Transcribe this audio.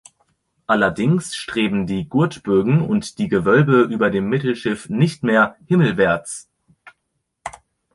Allerdings streben die Gurtbögen und die Gewölbe über dem Mittelschiff nicht mehr himmelwärts.